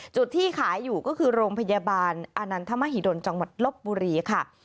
ที่ขายอยู่ก็คือโรงพยาบาลอานันทมหิดลจังหวัดลบบุรีค่ะ